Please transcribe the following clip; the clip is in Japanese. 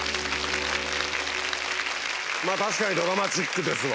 確かにドラマチックですわ。